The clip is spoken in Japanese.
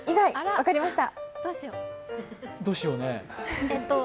分かりました！